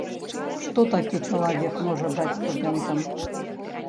Што такі чалавек можа даць студэнтам?